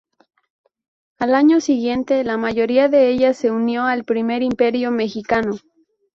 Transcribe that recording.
Al año siguiente la mayoría de ellas se unió al Primer Imperio Mexicano.